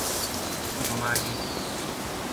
Tudomány és hit.